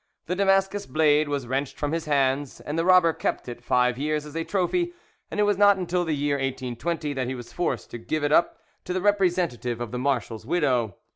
The Damascus blade was wrenched from his hands, and the robber kept it five years as a trophy, and it was not until the year 1820 that he was forced to give it up to the representative of the marshal's widow.